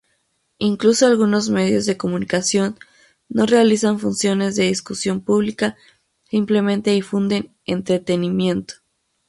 Incluso algunos medios de comunicación no realizan funciones de discusión pública, simplemente difunden entretenimiento.